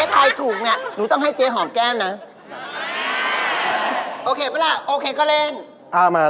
คุณดูให้หน่อยว่าคุณเกมเป็นอย่างไร